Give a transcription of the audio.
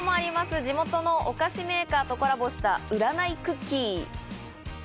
地元のお菓子メーカーとコラボした占いクッキー。